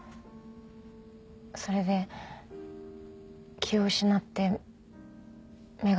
それで気を失って目が覚めたら。